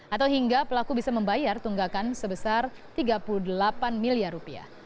atau hingga pelaku bisa membayar tunggakan sebesar rp tiga puluh delapan miliar rupiah